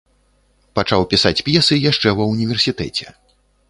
Пачаў пісаць п'есы яшчэ ва ўніверсітэце.